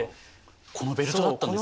このベルトだったんですね。